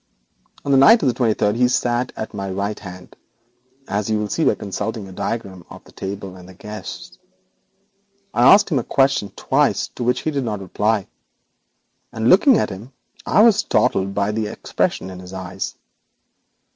On the night of the twenty third he sat at my right hand, as you will see by consulting your diagram of the table and the guests. I asked him a question twice, to which he did not reply, and looking at him I was startled by the expression in his eyes.